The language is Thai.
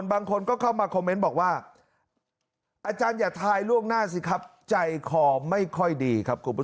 อาจารย์อย่าทายล่วงหน้าสิครับใจคอไม่ค่อยดี